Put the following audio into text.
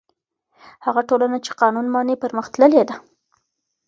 هغه ټولنه چې قانون مني پرمختللې ده.